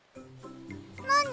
なに？